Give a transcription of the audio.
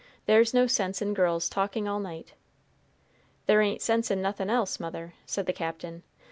"There's no sense in girls talking all night." "There ain't sense in nothin' else, mother," said the Captain.